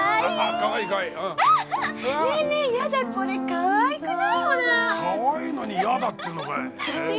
かわいいのにやだって言うのかい。